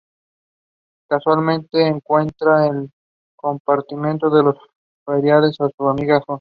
Casualmente, encuentran en el campamento de los feriantes a su amiga Jo.